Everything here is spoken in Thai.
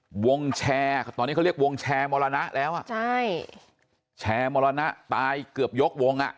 วงแชร์ตอนนี้เขาเรียกวงแชร์มรณะแล้วอ่ะใช่แชร์มรณะตายเกือบยกวงอ่ะ